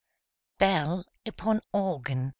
'BELL UPON ORGAN.